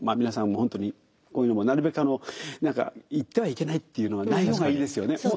皆さんも本当にこういうのもなるべく何か言ってはいけないっていうのはない方がいいですよね。